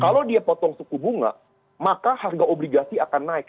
kalau dia potong suku bunga maka harga obligasi akan naik